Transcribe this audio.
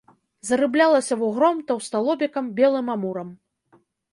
Зарыблялася вугром, таўсталобікам, белым амурам.